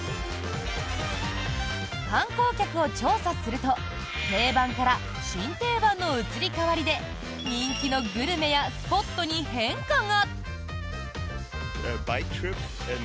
観光客を調査すると定番から新定番の移り変わりで人気のグルメやスポットに変化が！